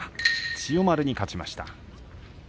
千代丸に勝ちました。